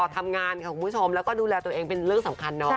ทำงานค่ะคุณผู้ชมแล้วก็ดูแลตัวเองเป็นเรื่องสำคัญเนาะ